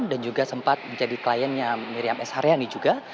dan juga sempat menjadi kliennya miriam s haryani juga